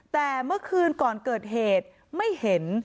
แต่เมื่อคืนก่อนเกิดเหตุไม่เห็น